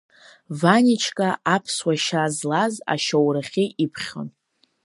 Ваничка аԥсуа шьа злаз, ашьоурахьы иԥхьон.